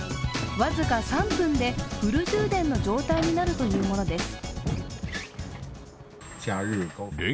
僅か３分でフル充電の状態になるというものです。